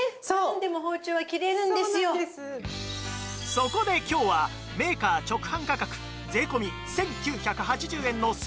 そこで今日はメーカー直販価格税込１９８０円の専用シャープナーもセットに！